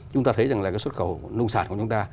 chúng ta thấy rằng là cái xuất khẩu nông sản của chúng ta